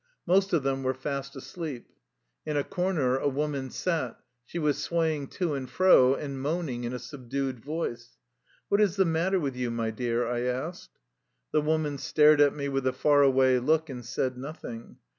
Most of them were fast asleep. In a corner a woman sat. She was swaying to and fro and moaning in a subdued voice. "What is the matter with you, my dear?" I asked. The woman stared at me with a far away look and said nothing.